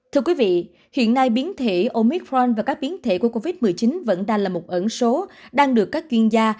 thưa quý vị hiện nay biến thể omitron và các biến thể của covid một mươi chín vẫn đang là một ẩn số đang được các chuyên gia